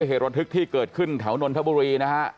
โดยเหตุรถฤกษ์ที่เกิดขึ้นแถวนทะบุรีนะครับ